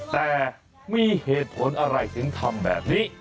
แต่มีเหตุผลอะไรถึงทำแบบนี้